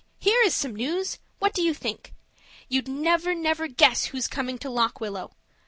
Here is some news! What do you think? You'd never, never, never guess who's coming to Lock Willow.